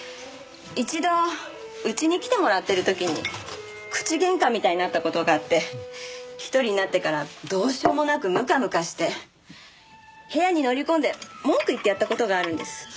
一度家に来てもらってる時に口喧嘩みたいになった事があって１人になってからどうしようもなくムカムカして部屋に乗り込んで文句言ってやった事があるんです。